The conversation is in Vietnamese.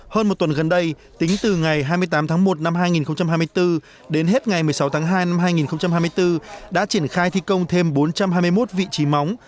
hơn một tuần gần đây tính từ ngày hai mươi tám tháng một năm hai nghìn hai mươi bốn đến hết ngày một mươi sáu tháng hai năm hai nghìn hai mươi bốn đã triển khai thi công thêm bốn trăm hai mươi một vị trí móng